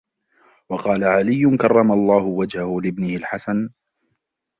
وَقَالَ عَلِيٌّ كَرَّمَ اللَّهُ وَجْهَهُ لِابْنِهِ الْحَسَنِ